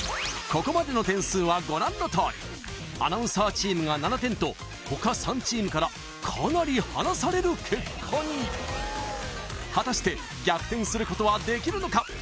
ここまでの点数はご覧のとおりアナウンサーチームが７点と他３チームからかなり離される結果に果たして逆転することはできるのか？